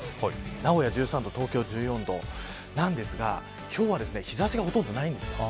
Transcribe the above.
名古屋１３度東京１４度なんですが今日は日差しがほとんどないんです。